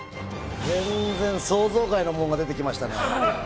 全然想像外のものが出てきましたね。